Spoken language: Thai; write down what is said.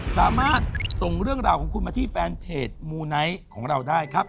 สามารถส่งเรื่องราวของคุณมาที่แฟนเพจมูไนท์ของเราได้ครับ